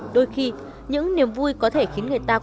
đôi khi những niềm vui có thể khiến người ta khó khăn